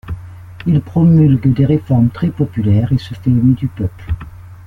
Il promulgue des réformes très populaires et se fait aimer du peuple.